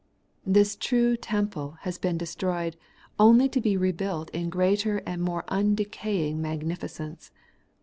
This true temple has been destroyed, only to be rebuilt in greater and more undecaying magnificence.